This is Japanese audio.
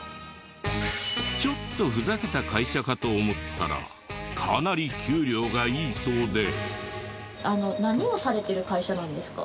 ちょっとふざけた会社かと思ったらかなり給料がいいそうで。